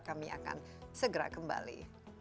kami akan segera kembali